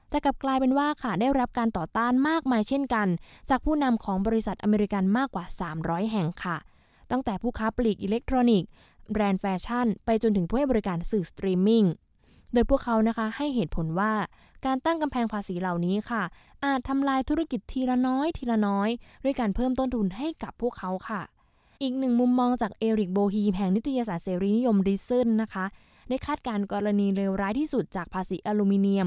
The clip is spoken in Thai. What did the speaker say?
แต่กลับกลายเป็นว่าค่ะได้รับการต่อต้านมากมายเช่นกันจากผู้นำของบริษัทอเมริกันมากกว่าสามร้อยแห่งค่ะตั้งแต่ผู้ค้าปลีกอิเล็กทรอนิกส์แบรนด์แฟชั่นไปจนถึงผู้ให้บริการสื่อสตรีมมิ่งโดยพวกเขานะคะให้เหตุผลว่าการตั้งกำแพงภาษีเหล่านี้ค่ะอาจทำลายธุรกิจทีละน้อยทีละน้อยด้วยการ